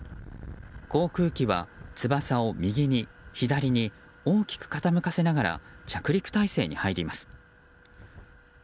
航空機は翼を右に左に大きく傾かせながら着陸態勢に入ります。